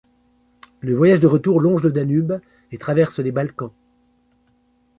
Le voyage de retour longe le Danube et traverse les Balkans.